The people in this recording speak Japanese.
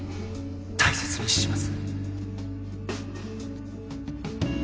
大切にします